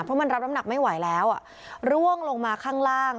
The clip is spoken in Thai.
เพราะมันรับน้ำหนักไม่ไหวแล้วอ่ะร่วงลงมาข้างล่าง